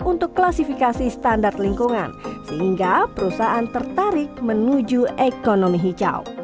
untuk klasifikasi standar lingkungan sehingga perusahaan tertarik menuju ekonomi hijau